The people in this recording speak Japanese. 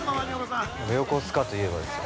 横須賀といえばですね。